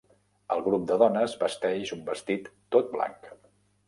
El grup de dones vesteix un vestit tot blanc.